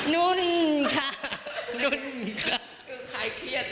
นุ่นค่ะ